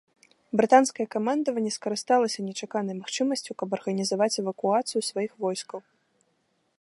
Брытанскае камандаванне скарысталася нечаканай магчымасцю, каб арганізаваць эвакуацыю сваіх войскаў.